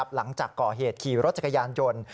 หลังจากก่อเหตุขี่รถจักรยานยนต์